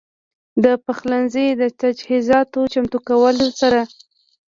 د پخلنځي تجهيزاتو چمتو کولو سره